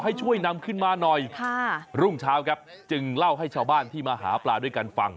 ให้ช่วยนำขึ้นมาหน่อยค่ะรุ่งเช้าครับจึงเล่าให้ชาวบ้านที่มาหาปลาด้วยกันฟัง